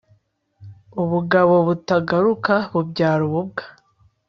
ubugabo butagaruka bubyara ububwa